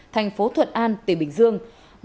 thành phố thuận an tỉnh bình dương